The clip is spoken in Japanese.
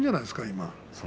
今。